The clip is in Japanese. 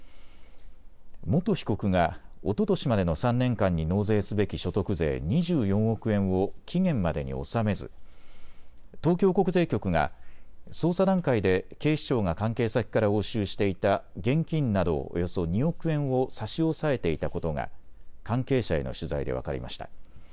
元被告がおととしまでの３年間に納税すべき所得税２４億円を期限までに納めず東京国税局が捜査段階で警視庁が関係先から押収していた現金などおよそ２億円を差し押さえていたことが関係者への取材で分かりました。